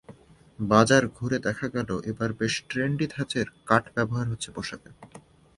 বাজার ঘুরে দেখা গেল, এবার বেশ ট্রেন্ডি ধাঁচের কাট ব্যবহার হচ্ছে পোশাকে।